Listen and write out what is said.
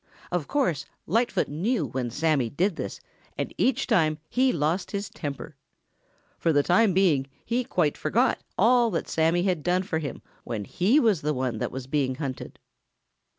Of course Lightfoot knew when Sammy did this, and each time he lost his temper. For the time being, he quite forgot all that Sammy had done for him when he was the one that was being hunted.